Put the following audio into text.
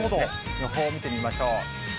予報を見てみましょう。